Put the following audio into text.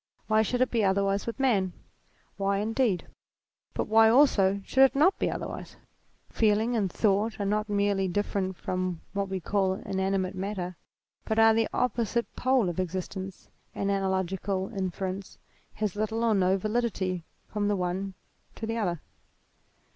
Why should it be otherwise with man ? Why indeed. But why, also, should it not be otherwise ? Feeling and thought are not merely different from what we call inanimate matter, but are at the oppo site pole of existence, and analogical inference has little or no validity from the one to the other.